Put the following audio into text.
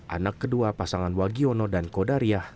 anak kedua pasangan wagiono dan kodariah